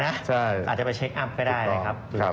อาจจะไปเช็คอัพก็ได้นะครับ